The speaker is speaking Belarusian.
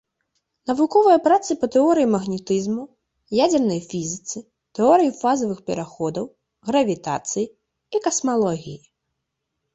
Навуковыя працы па тэорыі магнетызму, ядзернай фізіцы, тэорыі фазавых пераходаў, гравітацыі і касмалогіі.